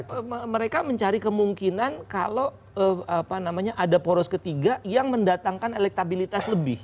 tapi mereka mencari kemungkinan kalau ada poros ketiga yang mendatangkan elektabilitas lebih